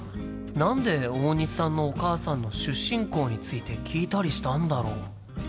何で大西さんのお母さんの出身校について聞いたりしたんだろう？